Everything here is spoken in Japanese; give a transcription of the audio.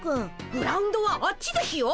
グラウンドはあっちですよ。